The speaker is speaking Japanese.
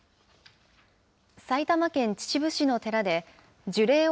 埼玉県秩父市の寺で、樹齢